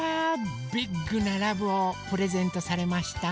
ビッグなラブをプレゼントされました。